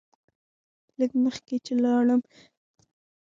لږ مخکې چې لاړم.